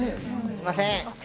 すみません。